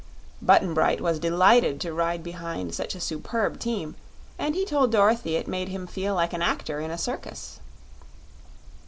Button Bright was delighted to ride behind such a superb team, and he told Dorothy it made him feel like an actor in a circus.